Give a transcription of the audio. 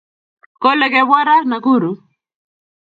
kole kebwa ra Nakuru